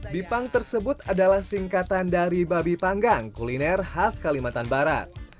bipang tersebut adalah singkatan dari babi panggang kuliner khas kalimantan barat